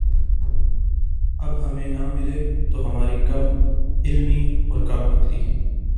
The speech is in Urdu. اب ہمیں نہ ملے تو ہماری کم علمی اور کم عقلی